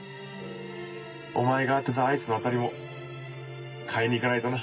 お前が当てたアイスの当たりも換えに行かないとな。